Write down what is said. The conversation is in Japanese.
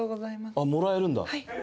あっもらえるんだ。